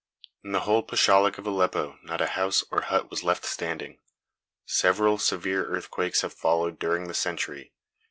In the whole pashalic of Aleppo not a house or hut was left standing. Several severe earthquakes have followed during the century.